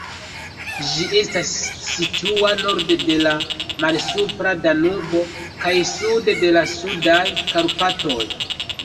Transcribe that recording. Ĝi estas situa norde de la Malsupra Danubo kaj sude de la Sudaj Karpatoj.